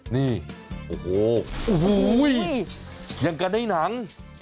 นี่โอ้โหอย่างกระได้หนัง